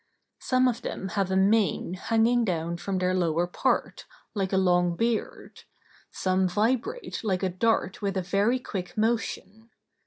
Some of them have a mane hanging down from their lower part, like a long beard, some vibrate like a dart with a very quick motion.